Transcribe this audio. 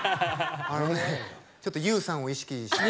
あのねちょっとＹＯＵさんを意識して。